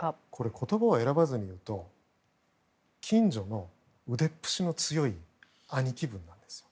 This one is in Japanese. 言葉を選ばずに言うと近所の腕っぷしの強い兄貴分です。